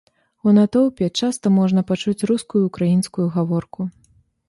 У натоўпе часта можна пачуць рускую і ўкраінскую гаворку.